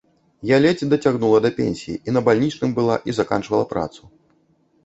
Я ледзь дацягнула да пенсіі, і на бальнічным была і заканчвала працу.